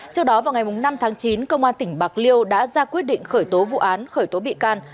trước đó vào ngày năm tháng chín công an tỉnh bạc liêu đã ra quyết định khởi tố vụ án khởi tố bị can